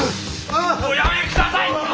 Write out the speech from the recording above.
おやめください！